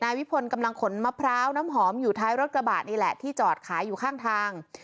วิพลกำลังขนมะพร้าวน้ำหอมอยู่ท้ายรถกระบะนี่แหละที่จอดขายอยู่ข้างทาง